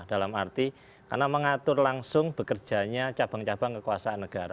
dalam arti karena mengatur langsung bekerjanya cabang cabang kekuasaan negara